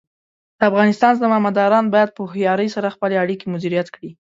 د افغانستان زمامداران باید په هوښیارۍ سره خپلې اړیکې مدیریت کړي.